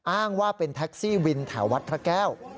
อ้างว่าเป็นแท็กซี่วินแถววัดพระแก้ว